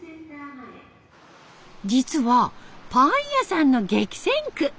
実はパン屋さんの激戦区。